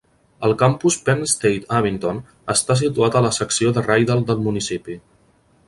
El campus Penn State Abington està situat a la secció de Rydal del municipi.